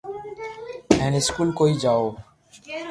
ھين اسڪول ڪوئي جاو